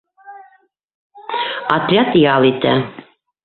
Отряд ял итә.